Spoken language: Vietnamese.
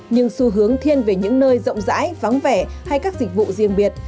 nhưng xu hướng thiên về những nơi rộng rãi vắng vẻ hay các dịch vụ riêng biệt